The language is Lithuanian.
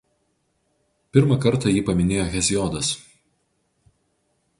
Pirmą kartą jį paminėjo Hesiodas.